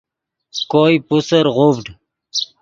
کوئے پوسر غوڤڈ